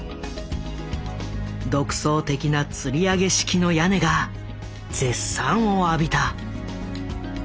独創的なつり上げ式の屋根が絶賛を浴びた。